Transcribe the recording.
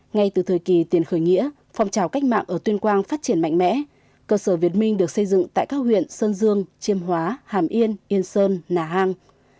ngay từ thời kỳ tiền khởi nghĩa phong trào cách mạng ở tuyên quang phát triển mạnh mẽ cơ sở việt minh được xây dựng tại các huyện sơn dương chiêm hóa hàm yên yên sơn nà hang